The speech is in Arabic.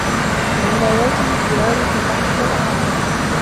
وَمِن آياتِهِ الجَوارِ فِي البَحرِ كَالأَعلامِ